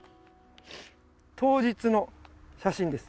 当日の写真です